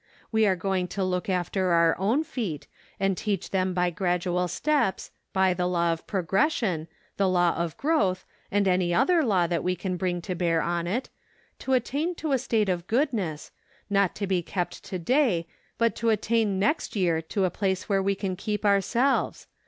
We are going to look after our own feet, and teach them by grad¬ ual steps, by the law of progression, the law of growth, and any other law that we can bring to bear on it, to attain to a state of goodness, not to be kept to day, but to attain next year to a place where we can keep ourselves.